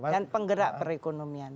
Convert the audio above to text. dan penggerak perekonomian